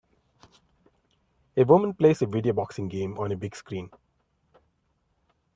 A woman plays a video boxing game on a big screen.